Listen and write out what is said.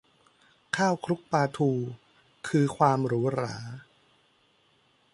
ข้าวคลุกปลาทู คือความหรูหรา